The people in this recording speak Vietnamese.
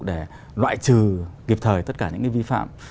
để loại trừ kịp thời tất cả những vi phạm